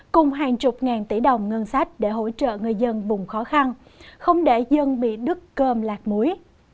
cùng hàng chục ngàn tỷ đồng ngân sách để hỗ trợ người dân vùng khó khăn không để dân bị đứt cơm lạc muối